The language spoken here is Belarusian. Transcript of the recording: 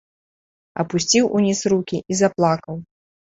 Апусціў уніз рукі і заплакаў.